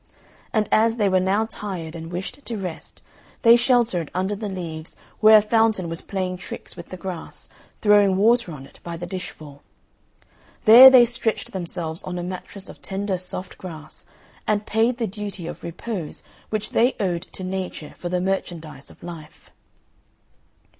And as they were now tired and wished to rest, they sheltered under the leaves where a fountain was playing tricks with the grass, throwing water on it by the dishful. There they stretched themselves on a mattress of tender soft grass, and paid the duty of repose which they owed to Nature for the merchandise of life.